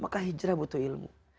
maka hijrah butuh ilmu